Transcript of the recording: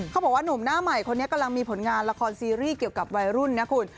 เขาบอกว่าหนุ่มหน้าใหม่คนนี้กำลังมีผลงานละครซีรีส์เกี่ยวกับวัยรุ่นนะคุณ